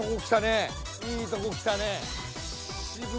いいとこきたね。